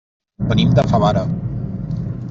Venim de Favara.